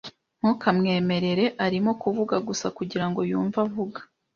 Ntukamwemere. Arimo kuvuga gusa kugirango yumve avuga.